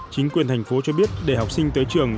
chính quyền thành phố cho biết để học sinh tới trường